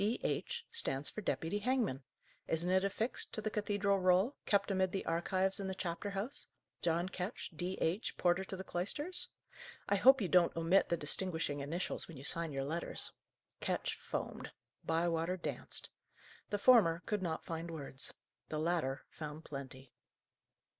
D.H., stands for Deputy Hangman. Isn't it affixed to the cathedral roll, kept amid the archives in the chapter house" John Ketch, D.H., porter to the cloisters! "I hope you don't omit the distinguishing initials when you sign your letters?" Ketch foamed. Bywater danced. The former could not find words. The latter found plenty.